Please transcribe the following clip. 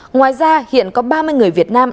ngoài ra hiện có ba mươi người việt nam